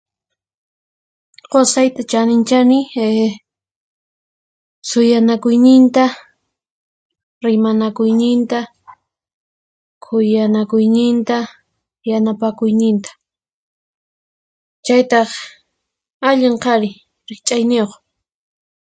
Qusayta chaninchani ehh suyanakuyñinta, rimanakuyñinta, khuyanakuyñinta, yanapakuyñinta, chaytaq allin qhari riqch'ayniyuq.